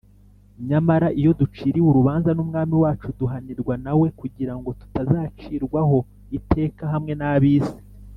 Nyamara, iyo duciriwe urubanza n'Umwami wacu duhanirwa na we kugira ngo tutazacirirwaho iteka hamwe n'ab'isi.